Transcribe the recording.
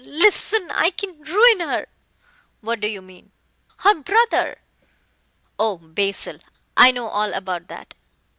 Listen, I can ruin her " "What do you mean?" "Her brother " "Oh, Basil, I know all about that."